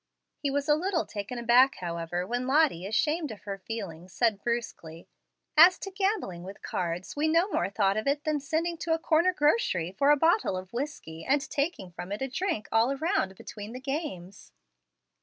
He was a little taken aback, however, when Lottie, ashamed of her feeling, said brusquely, "As to gambling with cards, we no more thought of it than sending to a corner grocery for a bottle of whiskey, and taking from it a drink all around between the games."